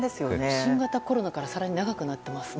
新型コロナから更に長くなっていますね。